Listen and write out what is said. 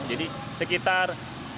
jadi sekitar sepuluh lima belas